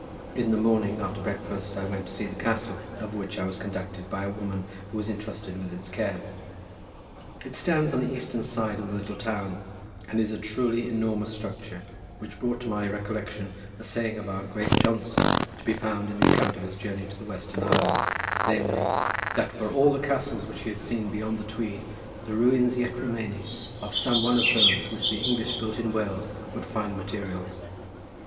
In the morning after breakfast I went to see the castle, over which I was conducted by a woman who was intrusted with its care. It stands on the eastern side of the little town, and is a truly enormous structure, which brought to my recollection a saying of our great Johnson, to be found in the account of his journey to the Western Islands, namely "that for all the castles which he had seen beyond the Tweed the ruins yet remaining of some one of those which the English built in Wales would find materials."